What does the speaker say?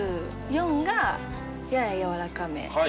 ４がやややわらかめ。